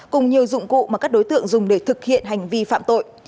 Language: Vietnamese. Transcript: cùng nhiều dụng cụ mà các đối tượng dùng để thực hiện hành vi phạm tội